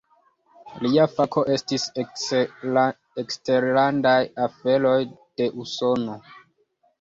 Lia fako estis eksterlandaj aferoj de Usono.